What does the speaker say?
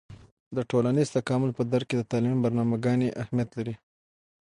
د ټولنیز تکامل په درک کې د تعلیمي برنامه ګانې اهیمت لري.